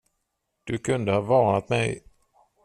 Du kunde ha varnat mig.